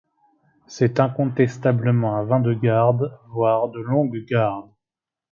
C'est incontestablement un vin de garde, voire de longue garde.